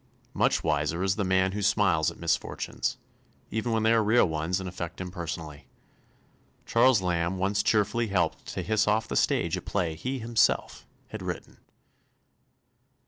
Much wiser is the man who smiles at misfortunes, even when they are real ones and affect him personally. Charles Lamb once cheerfully helped to hiss off the stage a play he himself had written.